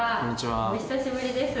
お久しぶりです。